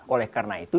oleh karena itu